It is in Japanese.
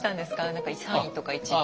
何か３位とか１位とか。